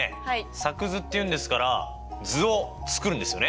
作図っていうんですから図を作るんですよね？